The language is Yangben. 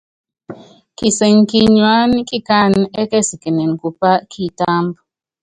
Kisɛŋɛ kinyuáná kikánɛ ɛ́kɛsikɛnɛnɛ kupá kitáámbú.